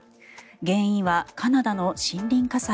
原因はカナダの森林火災。